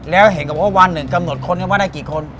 แล้วเห็นว่าวันหนึ่งกำหนดคนได้กี่คน